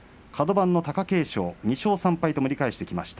貴景勝、２勝３敗と盛り返してきました。